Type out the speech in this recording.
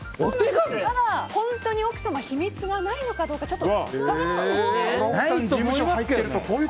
本当に奥様、秘密がないのかどうかちょっと見てみましょうね。